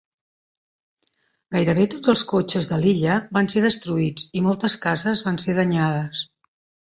Gairebé tots els cotxes de l'illa van ser destruïts i moltes cases van ser danyades.